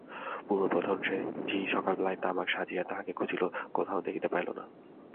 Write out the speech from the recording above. পূর্বপ্রথানুসারে ঝি সকালবেলায় তামাক সাজিয়া তাঁহাকে খুঁজিল, কোথাও দেখিতে পাইল না।